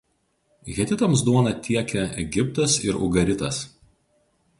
Hetitams duoną tiekė Egiptas ir Ugaritas.